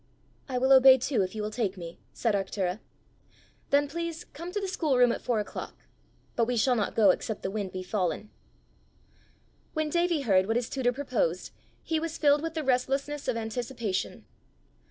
"I will obey too if you will take me," said Arctura. "Then, please, come to the schoolroom at four o'clock. But we shall not go except the wind be fallen." When Davie heard what his tutor proposed, he was filled with the restlessness of anticipation.